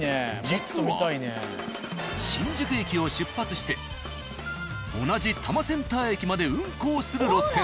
実は新宿駅を出発して同じ多摩センター駅まで運行する路線。